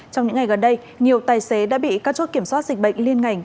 trong những ngày gần đây nhiều tài xế đã bị các chốt kiểm soát dịch bệnh liên ngành